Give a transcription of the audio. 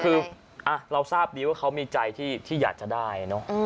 คือเราทราบดีว่าเขามีใจที่อยากจะได้เนอะ